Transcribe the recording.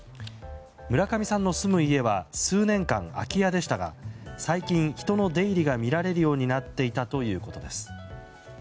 村上さんの住む家は数年間、空き家でしたが最近、人の出入りが見られるようになっていたということです。